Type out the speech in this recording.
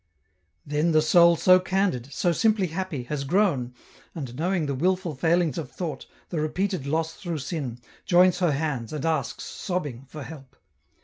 Then the soul so candid, so simply happy, has grown, and knowing the wilful failings of thought, the repeated loss through sin, joins her hands, and asks, sobbing, for help.